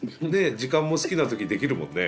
時間も好きな時できるもんね。